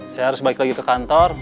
saya harus balik lagi ke kantor